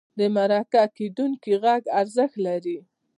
د مرکه کېدونکي غږ ارزښت لري.